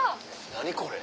何これ。